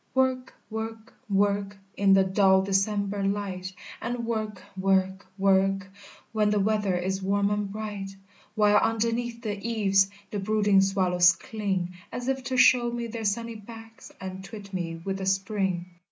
"Work work work In the dull December light! And work work work When the weather is warm and bright! While underneath the eaves The brooding swallows cling, As if to show me their sunny backs, And twit me with the Spring.